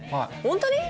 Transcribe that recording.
本当に？